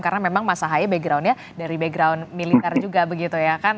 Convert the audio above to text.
karena memang mas haya backgroundnya dari background militer juga begitu ya kan